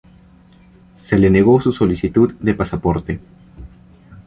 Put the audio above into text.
Se le negó su solicitud de pasaporte.